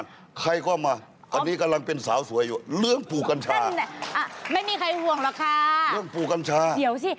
เดี๋ยวสิแค่นี้ก่อนเดี๋ยวไปจีบคนอื่นต่อก่อน